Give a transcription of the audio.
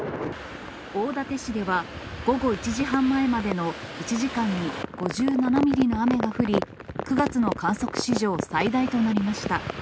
大館市では午後１時半前までの１時間に５７ミリの雨が降り、９月の観測史上最大となりました。